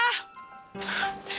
aku mau tidur